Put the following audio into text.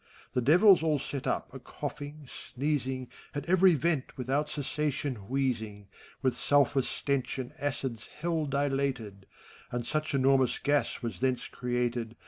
The Devils all set up a coughing, sneezing, At every vent without cessation wheezing: With sulphur stench and acids Hell dilated. And such enormous gas was thence created.